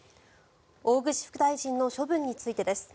大串副大臣の処分についてです。